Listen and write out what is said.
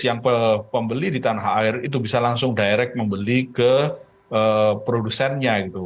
yang pembeli di tanah air itu bisa langsung direct membeli ke produsennya gitu